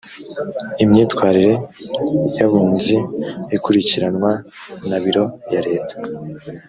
imyitwarire y abunzi ikurikiranwa na biro ya leta